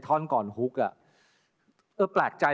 โปรดติดตามต่อไป